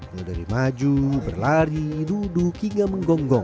mulai dari maju berlari duduk hingga menggonggong